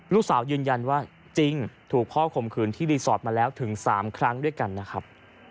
ยืนยันว่าจริงถูกพ่อข่มขืนที่รีสอร์ทมาแล้วถึง๓ครั้งด้วยกันนะครับ